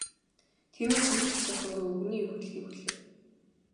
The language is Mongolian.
Тиймээс юу ч асуусангүй, өвгөний юу хэлэхийг хүлээв.